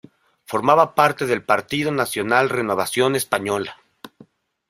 Formaba parte del partido nacional Renovación Española.